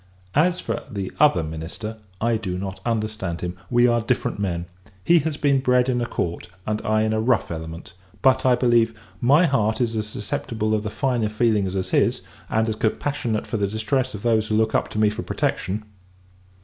As for the other minister, I do not understand him; we are different men! He has been bred in a court, and I in a rough element. But, I believe, my heart is as susceptible of the finer feelings as his, and as compassionate for the distress of those who look up to me for protection.